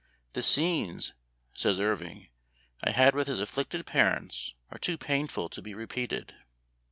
The scenes," says Irving, " I had with his afflicted parents are too painful to be repeated."